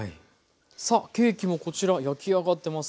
さあケーキもこちら焼き上がってますよ。